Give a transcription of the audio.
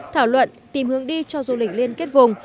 thảo luận tìm hướng đi cho du lịch liên kết vùng